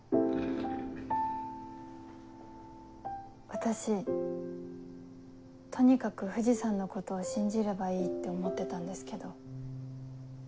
私とにかく藤さんのことを信じればいいって思ってたんですけど。